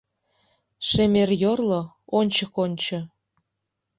Шемер-йорло, ончык ончо: